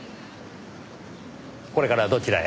これからどちらへ？